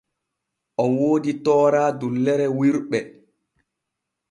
O woodi toora dullere wirɓe.